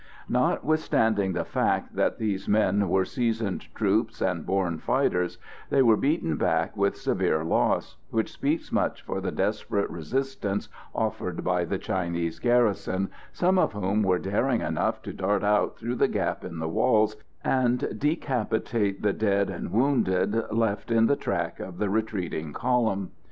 Notwithstanding the fact that these men were seasoned troops and born fighters, they were beaten back with severe loss, which speaks much for the desperate resistance offered by the Chinese garrison, some of whom were daring enough to dart out through the gap in the walls and decapitate the dead and wounded left in the track of the retreating column.